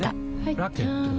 ラケットは？